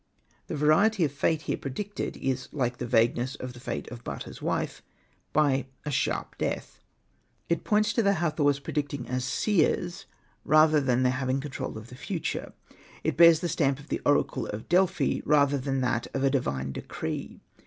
The variety of fate here predicted is like the vagueness of the fate of Bata's wife, by " a sharp death/' It points to the Hathors Hosted by Google REMARKS 31 predicting as seers, rather than to their having the control of the future. It bears the stamp of the oracle of Delphi, rather than that of a divine decree.